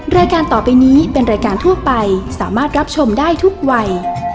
รายการต่อไปนี้เป็นรายการทั่วไปสามารถรับชมได้ทุกวัย